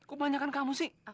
kok banyak kan kamu sih